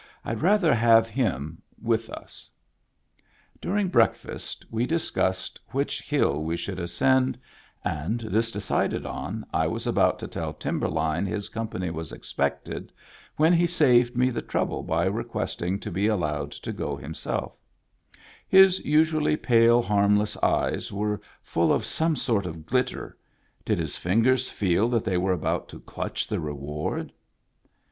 " Fd rather have him with us." During breakfast we discussed which hill we should ascend, and, this decided on, I was about to tell Timberline his company was expected, when he saved me the trouble by requesting to be allowed to go himseE His usually pale, harmless eyes were full of some sort of glitter: did his fingers feel that they were about to clutch the reward